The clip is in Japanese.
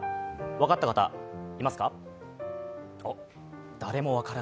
分かった方、いますか？